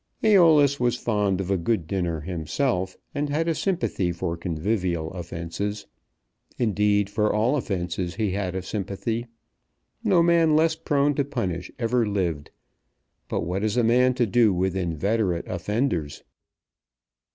Æolus was fond of a good dinner himself, and had a sympathy for convivial offences. Indeed for all offences he had a sympathy. No man less prone to punish ever lived. But what is a man to do with inveterate offenders?